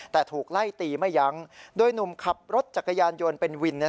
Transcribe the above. แต่ถูกไล่ตีไม่ยั้งโดยหนุ่มขับรถจักรยานยนต์เป็นวิน